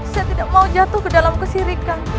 saya tidak mau jatuh ke dalam kesirikan